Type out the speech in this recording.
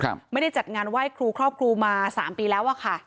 ไม่ได้จัดงานไหว้ครูครอบครูมาสามปีแล้วอ่ะค่ะ